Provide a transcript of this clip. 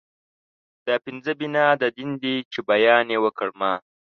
دا پنځه بنا د دين دي چې بیان يې وکړ ما